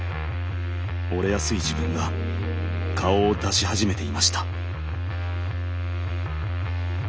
折れやすい自分が顔を出し始めていました。